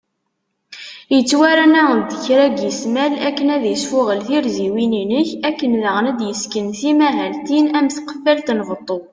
Ittwarna deg kra n ismal akken ad isfuγel tirziwin inek , akken daγen ad d-yesken timahaltin am tqefalt n beṭṭu